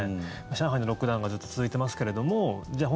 上海のロックダウンがずっと続いてますけれどもじゃあ